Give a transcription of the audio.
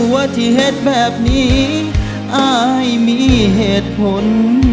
ว่าที่เหตุแบบนี้อายมีเหตุผล